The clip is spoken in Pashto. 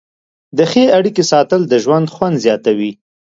د ښې اړیکې ساتل د ژوند خوند زیاتوي.